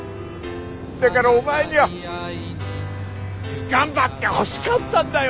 だからお前には頑張ってほしかったんだよ！